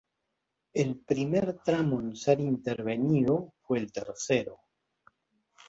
El primer tramo en ser intervenido fue el tercero.